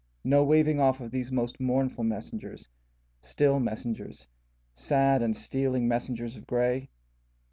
no waving off of these most mournful messengers, still messengers, sad and stealing messengers of grey?